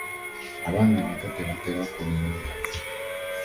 abaana abato tebatera kulimba.